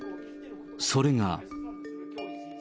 それが。